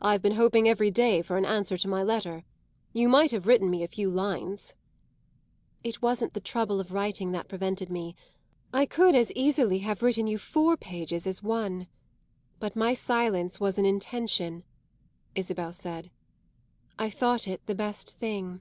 "I've been hoping every day for an answer to my letter. You might have written me a few lines." "It wasn't the trouble of writing that prevented me; I could as easily have written you four pages as one. But my silence was an intention," Isabel said. "I thought it the best thing."